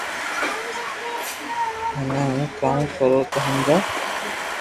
ھمي ھون ڪاو ڪرو تو ھمجاو